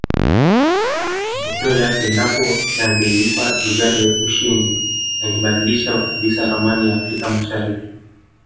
Matokeo yake endapo yangeipa Uganda ushindi yangebadilisha kabisa ramani ya Afrika mashariki